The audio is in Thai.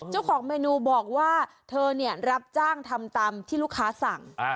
เจ้าของเมนูบอกว่าเธอรับจ้างทำตามที่ลูกค้าสั่ง